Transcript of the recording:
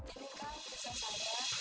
ini kan kisah saya